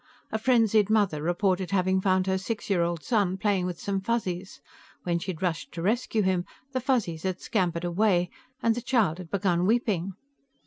A frenzied mother reported having found her six year old son playing with some Fuzzies; when she had rushed to rescue him, the Fuzzies had scampered away and the child had begun weeping.